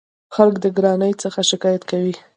خلک د ګرانۍ څخه شکایت کوي.